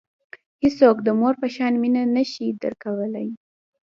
هیڅوک د مور په شان مینه نه شي درکولای.